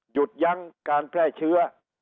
หยุดยั้งการแพร่เชื้อ